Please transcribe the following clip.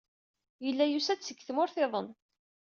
Yella yusa-d seg tmurt-iḍen.